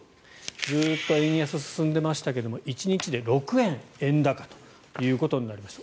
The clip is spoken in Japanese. ずっと円安が進んでいましたが１日で６円円高ということになりました。